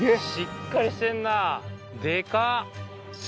しっかりしてんなでかっ！